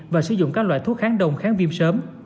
và sử dụng các loại thuốc kháng đông kháng viêm sớm